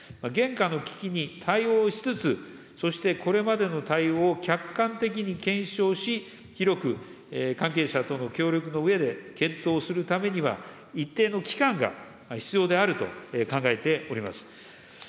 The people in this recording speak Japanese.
現下の危機に対応しつつ、そしてこれまでの対応を客観的に検証し、広く関係者との協力のうえで検討するためには、一定の期間が必要であると考えております。